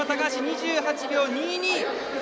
２８秒２２！